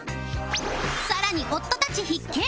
更に夫たち必見